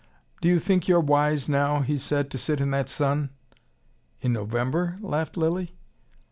"Do you think you're wise now," he said, "to sit in that sun?" "In November?" laughed Lilly.